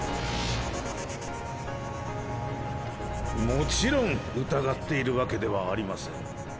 もちろん疑っているわけではありません。